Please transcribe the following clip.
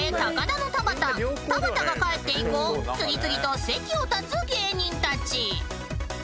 田端が帰って以降次々と席を立つ芸人たち］